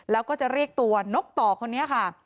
แล้วก็จะเรียกตัวนกต่อคนนี้ค่ะ